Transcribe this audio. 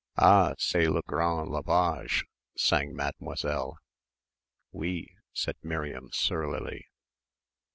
"Ah! ... c'est le grand lavage!" sang Mademoiselle. "Oui," said Miriam surlily.